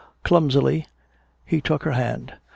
Clumsily he took her hand.